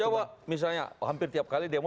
jawa misalnya hampir tiap kali demo